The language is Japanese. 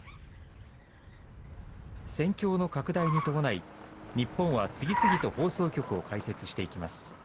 戦況の拡大に伴い、日本は次々と放送局を開設していきます。